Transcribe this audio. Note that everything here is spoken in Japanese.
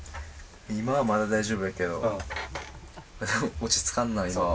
今はまだ大丈夫やけど落ち着かんな、今は。